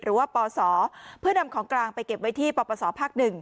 ปศเพื่อนำของกลางไปเก็บไว้ที่ปปศภาค๑